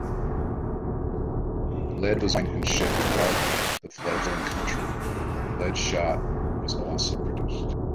Lead was mined and shipped throughout the fledgling country; lead shot was also produced.